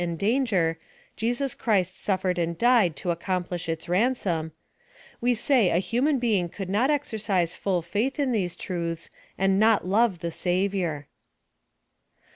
175 and danger, Jesus Christ suffered and died to ac complish its ransom — we say a human being could not exercise full faith in these truths and not love the Savior.